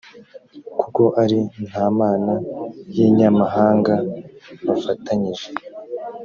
kuko ari nta mana y’inyamahanga bafatanyije